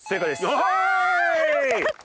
おい！